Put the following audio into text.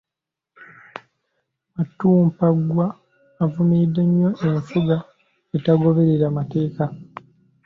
Matumpaggwa avumiridde nnyo enfuga etagoberera mateeka.